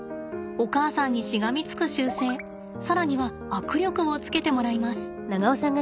お母さんにしがみつく習性更には握力もつけてもらいます。